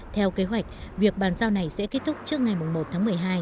theo kế hoạch việc bàn giao này sẽ kết thúc trước ngày một tháng một mươi hai